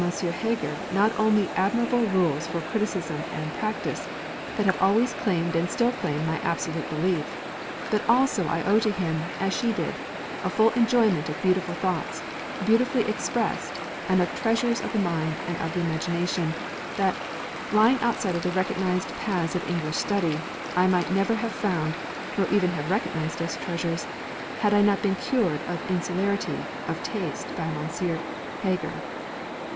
Heger, not only admirable rules for criticism and practice, that have always claimed and still claim my absolute belief, but also I owe to him, as she did, a full enjoyment of beautiful thoughts, beautifully expressed, and of treasures of the mind and of the imagination, that, lying outside of the recognised paths of English study, I might never have found, nor even have recognised as treasures, had I not been cured of insularity of taste by M. Heger.